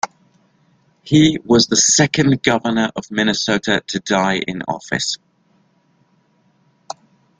He was the second governor of Minnesota to die in office.